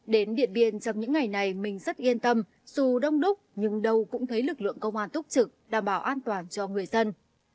đến điện biên trong những ngày này mình rất yên tâm dù đông đúc nhưng đâu cũng thấy lực lượng công an túc trực đảm bảo an toàn cho người dân